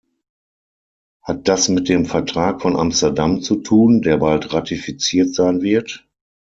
Hat das mit dem Vertrag von Amsterdam zu tun, der bald ratifiziert sein wird?